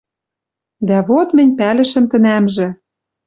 Дӓ вот мӹнь пӓлӹшӹм тӹнӓмжӹ